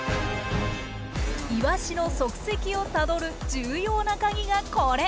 イワシの足跡をたどる重要なカギがこれ。